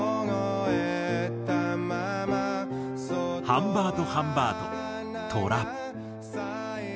ハンバートハンバート『虎』。